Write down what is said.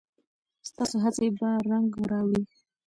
ستاسو هڅې به رنګ راوړي.